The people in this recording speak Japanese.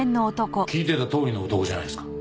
聞いてたとおりの男じゃないですか。